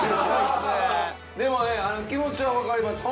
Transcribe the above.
でもね気持ちは分かります